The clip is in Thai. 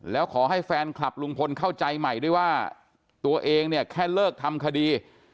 แล้วขอให้แฟนคลับลุงพลเข้าใจใหม่ด้วยว่าตัวเองเนี่ยแค่เลิกทำคดี